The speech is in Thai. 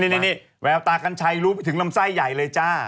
นี่แววตากัญชัยรู้ไปถึงลำไส้ใหญ่เลยจ้า